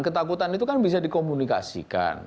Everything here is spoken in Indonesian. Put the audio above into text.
ketakutan itu kan bisa dikomunikasikan